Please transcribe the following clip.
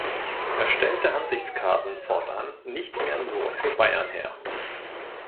Er stellte Ansichtskarten fortan nicht mehr nur für Bayern her.